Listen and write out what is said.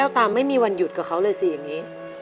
ตามไม่มีวันหยุดกับเขาเลยสิอย่างนี้